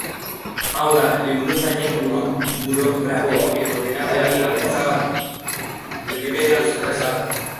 Hau da, liburuzainek, burokratek edo dena delakoek ezabatua, Wikipedian bezala?